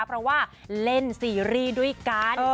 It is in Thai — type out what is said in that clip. เพราะว่าเล่นซีรีส์ด้วยกัน